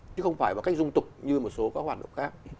chứ không phải một cách dung tục như một số các hoạt động khác